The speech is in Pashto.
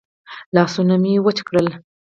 لاسونه مې وچ کړل.